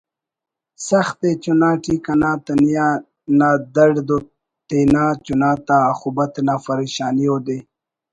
سخت ءِ چنا ٹی کنا تنیائی نا دڑد و تینا چناتا آخبت نا فریشانی اودے